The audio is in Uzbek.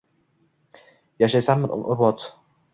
Yashaysanmi umrbod?